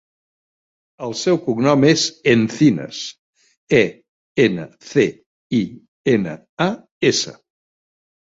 El seu cognom és Encinas: e, ena, ce, i, ena, a, essa.